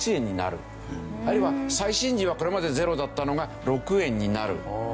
あるいは再診時はこれまでゼロだったのが６円になる。